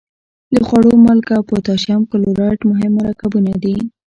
د خوړو مالګه او پوتاشیم کلورایډ مهم مرکبونه دي.